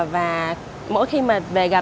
và mỗi khi mà